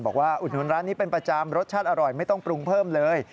อุดหนุนร้านนี้เป็นประจำรสชาติอร่อยไม่ต้องปรุงเพิ่มเลย